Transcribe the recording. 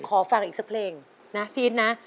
ขอฟังอีกสักเพลงนะพี่อิทนะ